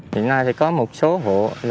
hiện nay thì có một số hộ